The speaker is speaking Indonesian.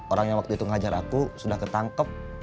orang yang waktu itu ngajar aku sudah ketangkep